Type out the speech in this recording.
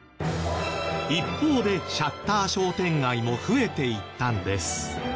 一方でシャッター商店街も増えていったんです。